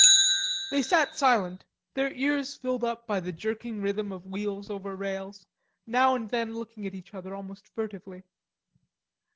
They sat silent, their ears filled up by the jerking rhythm of wheels over rails, now and then looking at each other, almost furtively.